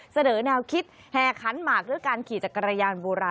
เสนอแนวคิดแห่ขันหมากด้วยการขี่จักรยานโบราณ